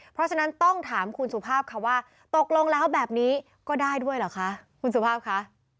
เพราะฉะนั้นต้องถามคุณสุภาพค่ะว่าตกลงแล้วแบบนี้ก็ได้ด้วยเหรอคะคุณสุภาพคะ